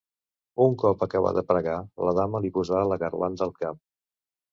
Un cop acabà de pregar, la dama li posà la garlanda al cap.